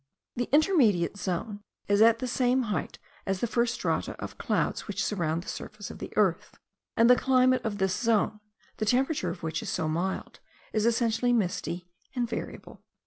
The intermediate zone is at the same height as the first strata of clouds which surround the surface of the earth; and the climate of this zone, the temperature of which is so mild, is essentially misty and variable.